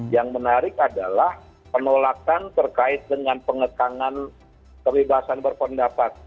yang menarik adalah penolakan terkait dengan pengekangan kebebasan berpendapat